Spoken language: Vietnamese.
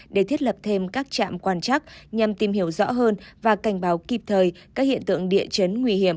để thiết lập thêm các trạm quan chắc nhằm tìm hiểu rõ hơn và cảnh báo kịp thời các hiện tượng địa chấn nguy hiểm